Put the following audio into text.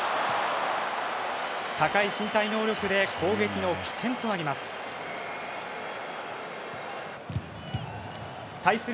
高い身体能力で攻撃の起点となります。